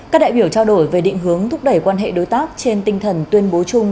các đại biểu trao đổi về định hướng thúc đẩy quan hệ đối tác trên tinh thần tuyên bố chung